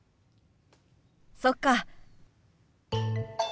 そっか。